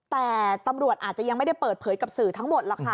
แต่ตำรวจอาจจะยังไม่ได้เปิดเผยกับสื่อทั้งหมดหรอกค่ะ